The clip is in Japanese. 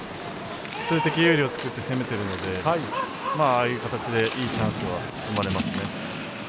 数的有利を作って攻めているのでああいう形でいいチャンスは生まれますね。